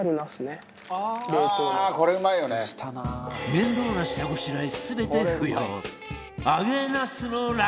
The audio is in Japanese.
面倒な下ごしらえ全て不要